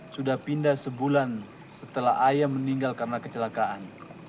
sudah pindah sebulan setelah ayam meninggal karena kecelakaan